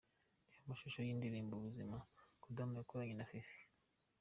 Reba amashusho y'indirimbo 'Ubuzima' Kodama yakoranye na Fifi.